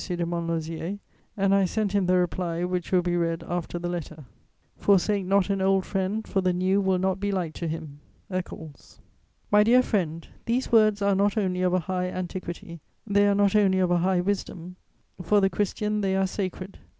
de Montlosier, and I sent him the reply which will be read after the letter: Forsake not an old friend, for the new will not be like to him. ECCLES. "My dear friend, these words are not only of a high antiquity, they are not only of a high wisdom; for the Christian they are sacred.